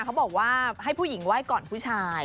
เขาบอกว่าให้ผู้หญิงไหว้ก่อนผู้ชาย